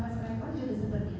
tidak tahu sama sekali